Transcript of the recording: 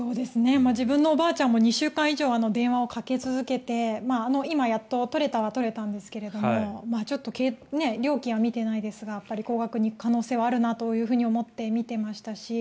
自分のおばあちゃんも２週間以上、電話をかけ続けて今、やっと取れたは取れたんですがちょっと料金は見ていないですが高額に行く可能性はあるなと思って、みていましたし。